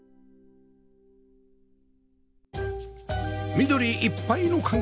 緑いっぱいの環境